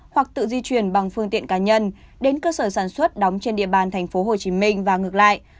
hoặc tự di chuyển bằng phương tiện cá nhân đến cơ sở sản xuất đóng trên địa bàn tp hcm và ngược lại